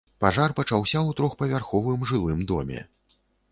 Пажар пачаўся ў трохпавярховым жылым доме.